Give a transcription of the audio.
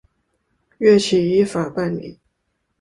岳起依法办理。